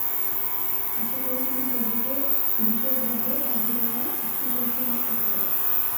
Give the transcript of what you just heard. আশা করি তুমি জানো যে, পুলিশের কাজে বাধা দেওয়া একটি জঘন্য অপরাধ।